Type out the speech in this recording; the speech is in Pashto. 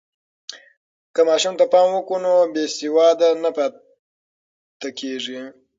که ماشوم ته پام وکړو، نو بې سواده نه پاتې کېږي.